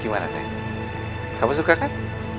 gimana kamu suka kan